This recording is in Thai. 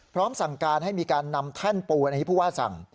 พร้อมสั่งการให้มีการนำแท่นปูนอันนี้ผู้ว่าสั่ง